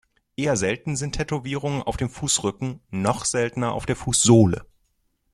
Eher selten sind Tätowierungen auf dem Fußrücken, noch seltener auf der Fußsohle.